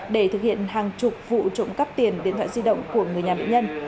để thực hiện hàng chục vụ trộm cắp tiền điện thoại di động của người nhà bệnh nhân